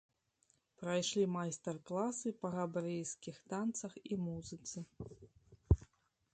Прайшлі майстар-класы па габрэйскіх танцах і музыцы.